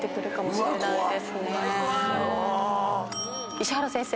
石原先生